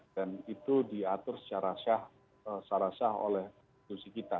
dan itu diatur secara syah oleh institusi kita